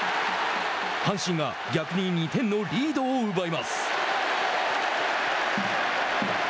阪神が逆に２点のリードを奪います。